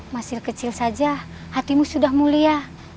masih kecil saja hatimu sudah mulia